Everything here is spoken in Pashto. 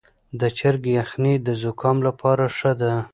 د چرګ یخني د زکام لپاره ښه ده.